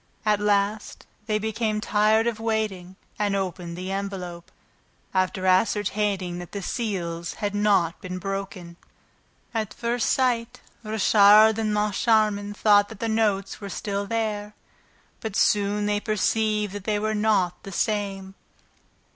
At last, they became tired of waiting and opened the envelope, after ascertaining that the seals had not been broken. At first sight, Richard and Moncharmin thought that the notes were still there; but soon they perceived that they were not the same.